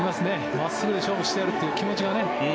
真っすぐで勝負してやるという気持ちがね。